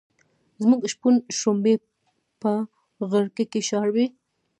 زموږ شپون شړومبی په غړکه کې شاربي.